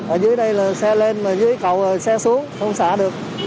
ở dưới đây là xe lên mà dưới cầu xe xuống không xả được